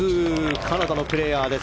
カナダのプレーヤーです。